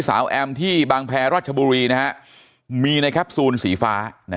สาวแอมที่บางแพรรัชบุรีนะฮะมีนะครับซูนสีฟ้านะ